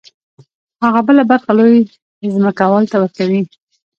هغه بله برخه لوی ځمکوال ته ورکوي